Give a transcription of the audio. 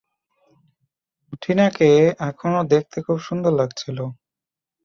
ট্রিনাকে এখনো দেখতে খুব সুন্দর লাগছিল।